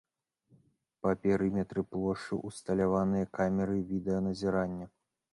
Па перыметры плошчы ўсталяваныя камеры відэаназірання.